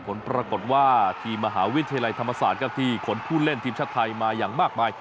ผลปรากฏว่าทีมมหาวิทยาลัยธรรมศาสตร์ครับที่ขนผู้เล่นทีมชาติไทยมาอย่างมากมาย